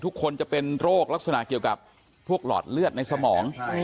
ทุกคนจะเป็นโรคลักษณะเกี่ยวกับพวกหลอดเลือดในสมอง